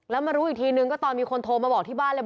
แล้วมารู้อีกทีนึงก็ตอนมีคนโทรมาบอกที่บ้านเลย